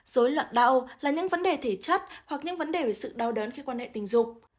dối loạn đau là những vấn đề thể chất hoặc những vấn đề về sự đau đớn khi quan hệ tình dục